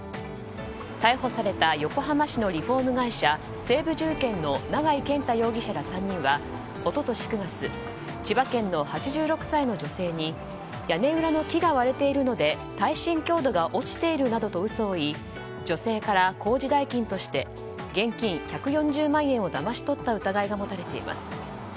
逮捕された横浜市のリフォーム会社西武住建の永井健太容疑者ら３人は一昨年９月千葉県の８６歳の女性に屋根裏の木が割れているので耐震強度が落ちているなどと嘘を言い女性から工事代金として現金１４０万円をだまし取った疑いが持たれています。